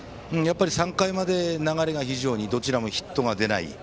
３回まで流れが非常にどちらもヒットが出ない。